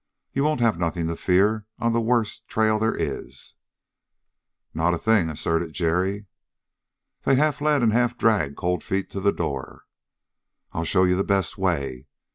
You won't have nothing to fear on the worst trail they is." "Not a thing," asserted Jerry. They half led and half dragged Cold Feet to the door. "I'll show you the best way.